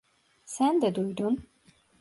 Sen de duydun.